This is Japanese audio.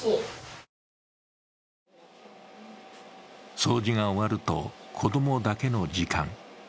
掃除が終わると子供だけの時間。